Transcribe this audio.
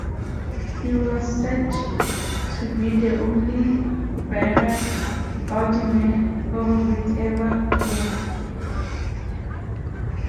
He was said to be the only rival Vladimir Horowitz ever feared.